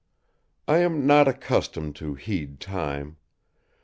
I am not accustomed to heed time.